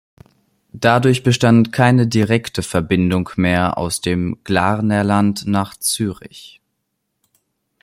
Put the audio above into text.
Dadurch bestand keine direkte Verbindung mehr aus dem Glarnerland nach Zürich.